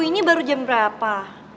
ini baru jam berapa